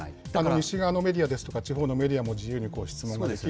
西側のメディアも、地方のメディアも自由に質問ができる。